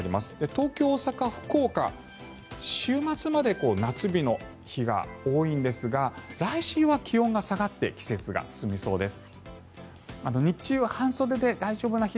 東京、大阪、福岡は週末まで夏日の日が多いんですが来週は気温が下がって季節が進みそうです。